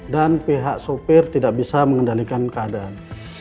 dan pihak sopir tidak bisa mengendalikan keadaan